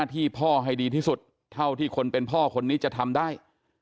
ที่พ่อให้ดีที่สุดเท่าที่คนเป็นพ่อคนนี้จะทำได้